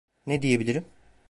Ne diyebilirim?